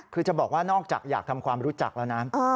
คือจะบอกว่านอกจากอยากทำความรู้จักแล้วนะ